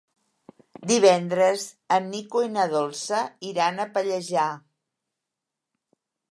Divendres en Nico i na Dolça iran a Pallejà.